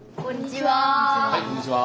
はいこんにちは！